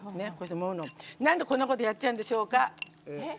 なんでこんなことやっちゃうんでしょうか？